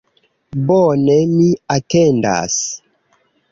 Bone, mi atendas